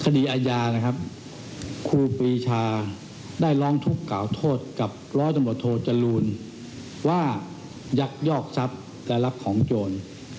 คดีอาญานะครับครูปีชาได้ร้องทุกข์กล่าวโทษกับร้อยตำรวจโทจรูลว่ายักยอกทรัพย์และรับของโจร